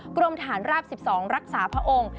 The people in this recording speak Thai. กรมฐานราบ๑๒รักษาพระองค์